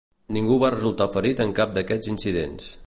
Ningú va resultar ferit en cap d'aquests incidents.